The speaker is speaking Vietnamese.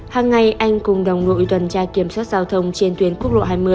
hàng ngày anh cùng đồng đội tuần tra kiểm soát giao thông trên tuyến quốc lộ hai mươi